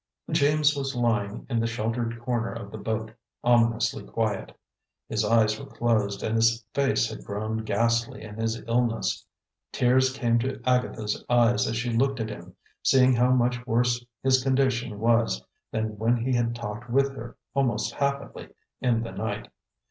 James was lying in the sheltered corner of the boat, ominously quiet. His eyes were closed, and his face had grown ghastly in his illness. Tears came to Agatha's eyes as she looked at him, seeing how much worse his condition was than when he had talked with her, almost happily, in the night.